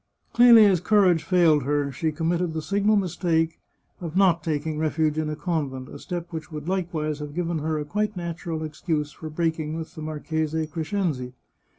Clelia's courage failed her ; she committed the signal mis take of not taking refuge in a convent, a step which would likewise have given her a quite natural excuse for breaking with the Marchese Crescenzi.